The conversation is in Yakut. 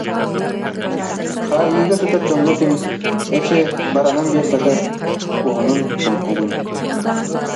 Хаайыыга сытар дьоҥҥо күн, эчи, баранан биэрбэтэ уһунун, чуҥкугун